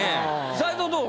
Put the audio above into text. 斎藤どう？